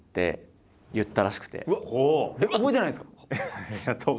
覚えてないんですか？